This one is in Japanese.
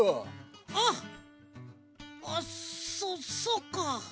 あっあそそっか！